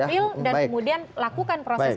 dan kemudian lakukan proses